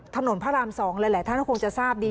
พระราม๒หลายท่านก็คงจะทราบดี